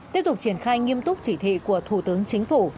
tiếp tục triển khai nghiêm túc chỉ thị của thủ tướng chính phủ